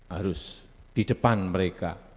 harus di depan mereka